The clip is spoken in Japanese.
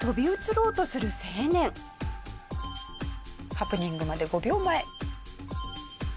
ハプニングまで５秒前。